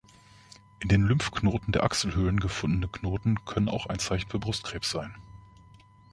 In den Lymphknoten der Achselhöhlen gefundene Knoten können auch ein Zeichen für Brustkrebs sein.